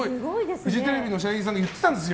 フジテレビの社員さんが言ってたんですよ。